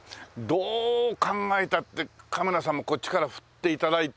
どう考えたってカメラさんもこっちから振って頂いて。